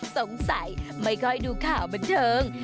สงสัยไม่ค่อยดูข่าวบันเทิง